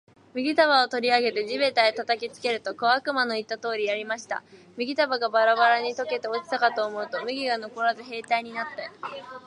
麦束を取り上げて地べたへ叩きつけると、小悪魔の言った通りやりました。麦束がバラバラに解けて落ちたかと思うと、藁がのこらず兵隊になって、